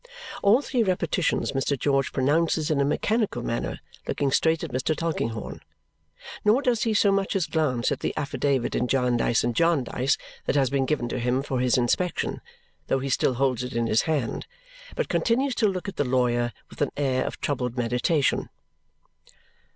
All three repetitions Mr. George pronounces in a mechanical manner, looking straight at Mr. Tulkinghorn; nor does he so much as glance at the affidavit in Jarndyce and Jarndyce, that has been given to him for his inspection (though he still holds it in his hand), but continues to look at the lawyer with an air of troubled meditation.